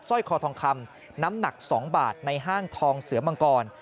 ร้อยคอทองคำน้ำหนัก๒บาทในห้างทองเสือมังกร